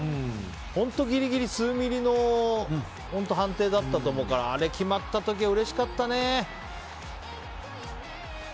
本当ギリギリ数ミリの判定だったと思うからあれ決まった時はうれしかったね。